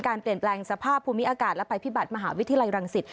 เปลี่ยนแปลงสภาพภูมิอากาศและภัยพิบัติมหาวิทยาลัยรังสิต